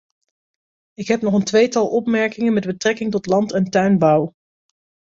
Ik heb nog een tweetal opmerkingen met betrekking tot land- en tuinbouw.